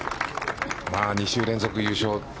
２週連続優勝。